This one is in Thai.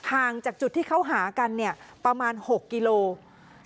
ห่างจากจุดที่เขาหากันเนี่ยประมาณ๖กิโลกรัม